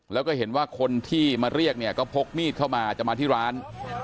แล้วก็เห็นว่าคนที่มาเรียกเนี่ยก็พกมีดเข้ามาจะมาที่ร้าน